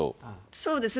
そうですね。